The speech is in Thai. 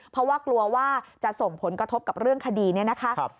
เพราะว่ากลัวว่าจะส่งผลกระทบกับเรื่องคดีนี้นะคะ